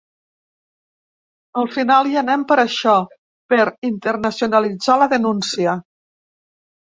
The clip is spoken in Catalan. Al final hi anem per això, per internacionalitzar la denúncia.